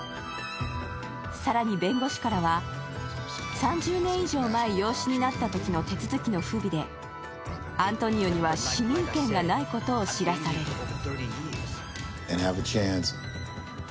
更に弁護士からは３０年以上前、養子になったときの手続きの不備で、アントニオには市民権がないことを知らされる。